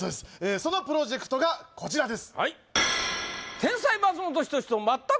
そのプロジェクトがこちらです